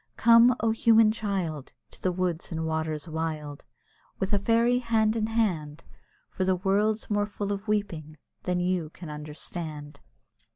Come! O, human child! To the woods and waters wild, With a fairy hand in hand, For the world's more full of weeping than you can understand.